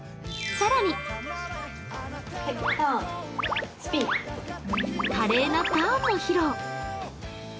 更に華麗なターンも披露。